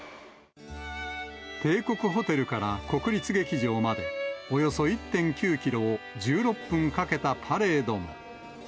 帝国ホテルから国立劇場まで、およそ１．９キロを１６分かけたパレードも。